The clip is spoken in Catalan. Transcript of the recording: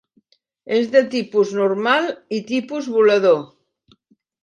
És de tipus normal i tipus volador.